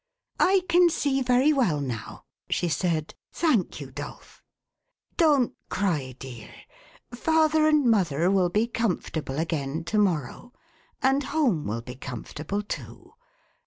"I can see very well now," she said, "thank you, Dolf. Don't cry, dear. Father and mother will be comfortable again, to morrow, and home will be comfortable too.